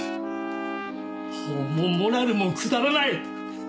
法もモラルもくだらない。